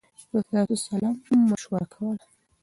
رسول الله صلی الله عليه وسلم مشوره کوله.